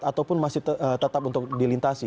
ataupun masih tetap untuk dilintasi